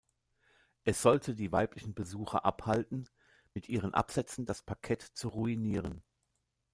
Es sollte die weiblichen Besucher abhalten, mit ihren Absätzen das Parkett zu ruinieren.